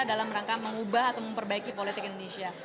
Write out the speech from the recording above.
dalam rangka mengubah atau memperbaiki politik indonesia